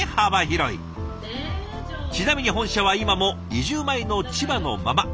ちなみに本社は今も移住前の千葉のまま。